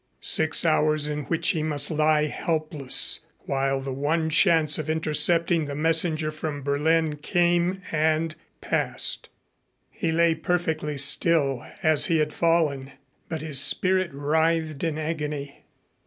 Six hours in which he must lie helpless while the one chance of intercepting the messenger from Berlin came and passed. He lay perfectly still as he had fallen, but his spirit writhed in agony.